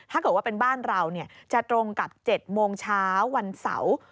ถ้าเกิดว่าเป็นบ้านเราจะตรงกับ๗โมงเช้าวันเสาร์